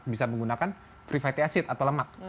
bisa menggunakan free fatty acid atau lemak